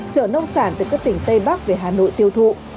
chở nông sản từ các tỉnh tây bắc về hà nội tiêu thụ